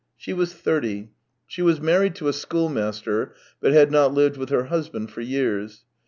She was thirty. She was married to a schoolmaster, but had not lived with her husband for years.